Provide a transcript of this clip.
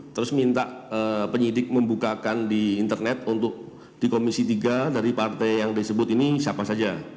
terus minta penyidik membukakan di internet untuk di komisi tiga dari partai yang disebut ini siapa saja